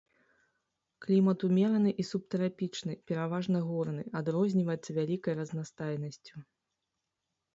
Клімат умераны і субтрапічны, пераважна горны, адрозніваецца вялікай разнастайнасцю.